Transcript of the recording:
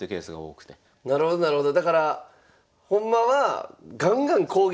なるほどなるほど。